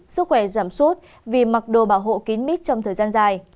sức khỏe giảm suốt vì mặc đồ bảo hộ kín mít trong thời gian dài